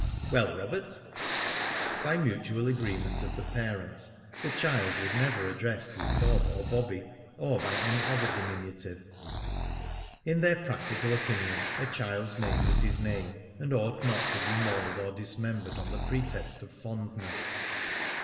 "Well, Robert?" By mutual agreement of the parents, the child was never addressed as "Bob" or "Bobby," or by any other diminutive. In their practical opinion a child's name was his name, and ought not to be mauled or dismembered on the pretext of fondness.